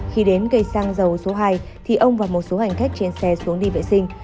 khi đến cây xăng dầu số hai thì ông và một số hành khách trên xe xuống đi vệ sinh